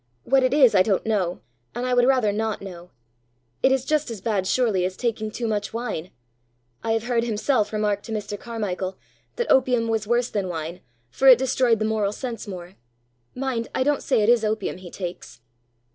What it is I don't know, and I would rather not know. It is just as bad, surely, as taking too much wine! I have heard himself remark to Mr. Carmichael that opium was worse than wine, for it destroyed the moral sense more. Mind I don't say it is opium he takes!"